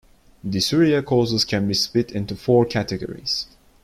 Dysuria causes can be split into four categories.